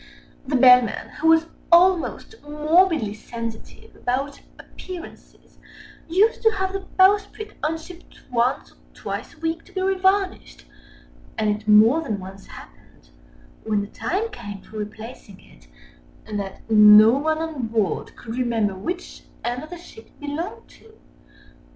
The Bellman, who was almost morbidly sensitive about appearances, used to have the bowsprit unshipped once or twice a week to be revarnished, and it more than once happened, when the time came for replacing it, that no one on board could remember which end of the ship it belonged to.